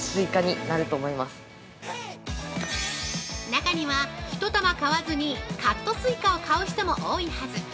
中には、一玉買わずにカットスイカを買う人も多いはず。